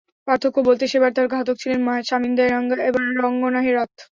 পার্থক্য বলতে, সেবার তাঁর ঘাতক ছিলেন শামিন্দা এরাঙ্গা, এবার রঙ্গনা হেরাথ।